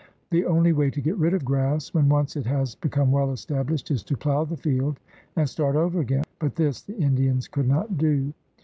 The only way to get rid of grass when once it has become well established is to plow the field and start over again, but this the Indians could not do.